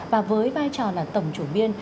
và với vai trò là tổng chủ biên